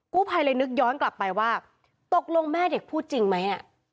กู้ภัยเลยนึกย้อนกลับไปว่าตกลงแม่เด็กพูดจริงไหม